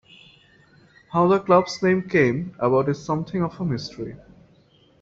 How the club's name came about is something of a mystery.